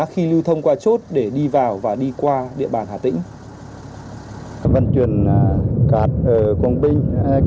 khi lưu thông qua chốt để đi vào và đi qua địa bàn hà tĩnh